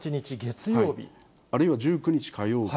あるいは１９日火曜日。